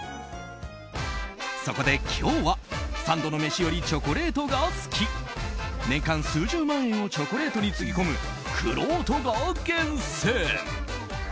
そこで今日は三度の飯よりチョコレートが好き年間数十万円をチョコレートにつぎ込むくろうとが厳選。